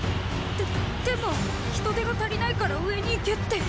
ででも人手が足りないから上に行けって。